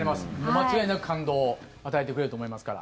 間違いなく感動を与えてくれると思いますから。